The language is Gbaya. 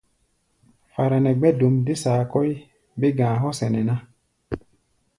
Fara nɛ gbɛ̧́-dom dé saa kɔ́ʼí, bé-ga̧a̧ hɔ́ sɛnɛ ná.